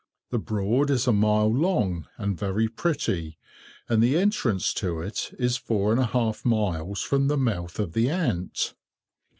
The Broad is a mile long, and very pretty, and the entrance to it is four and a half miles from the mouth of the Ant.